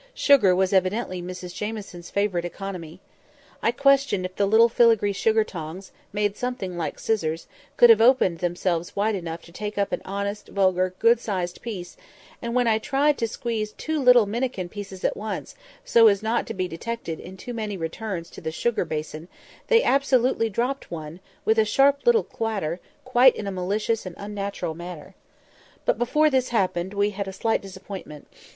Sugar was evidently Mrs Jamieson's favourite economy. I question if the little filigree sugar tongs, made something like scissors, could have opened themselves wide enough to take up an honest, vulgar good sized piece; and when I tried to seize two little minnikin pieces at once, so as not to be detected in too many returns to the sugar basin, they absolutely dropped one, with a little sharp clatter, quite in a malicious and unnatural manner. But before this happened we had had a slight disappointment.